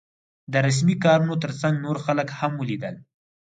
د رسمي کارونو تر څنګ نور خلک هم ولیدل.